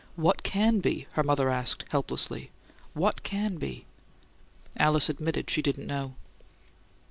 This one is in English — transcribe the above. "What can be?" her mother asked, helplessly. "What can be?" Alice admitted that she didn't know.